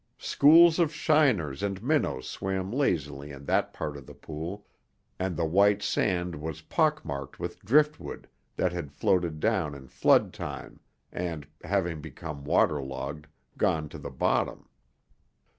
Schools of shiners and minnows swam lazily in that part of the pool and the white sand was pock marked with driftwood that had floated down in flood time and, having become waterlogged, gone to the bottom.